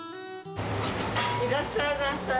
いらっしゃいませ。